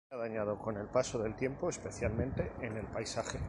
Se ha dañado con el paso del tiempo, especialmente en el paisaje.